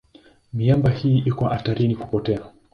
Miamba hii iko hatarini kupotea.